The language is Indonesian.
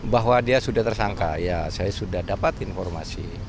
bahwa dia sudah tersangka ya saya sudah dapat informasi